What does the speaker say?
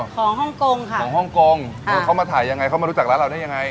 ฮ่องกงค่ะของฮ่องกงเออเขามาถ่ายยังไงเขามารู้จักร้านเราได้ยังไง